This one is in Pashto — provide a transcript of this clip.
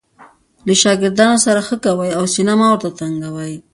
له ښاګردانو سره ښه خوي کوئ! او سینه مه ور ته تنګوئ!